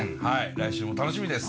来週も楽しみです。